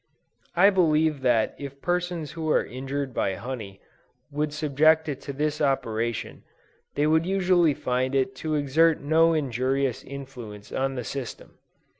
I believe that if persons who are injured by honey would subject it to this operation, they would usually find it to exert no injurious influence on the system.